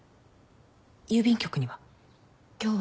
郵便局には？